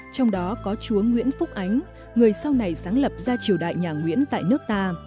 trong đó có chúa nguyễn phúc ánh người sau này sáng lập ra triều đại nhà nguyễn tại nước ta